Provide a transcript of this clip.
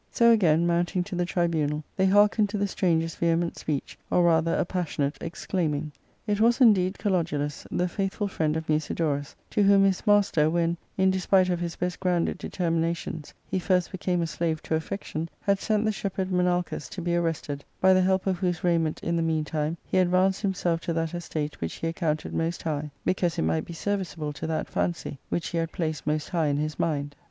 So again mounting to the tribunal, they hearkened to the stranger's vehement speech, or rather appassionate* exclaiming. It was indeed Kalodulus, the faithful friend of Musidorus, to whom his master, when, in despite of his best grounded determinations, he first became a slave to affection, had sent the shepherd Menalcas to be arrested, by the help of whose raiipent in the meantime he advanced himself to that estate which he accounted most high, because it might be service able to that fancy which he had placed most high in his mind.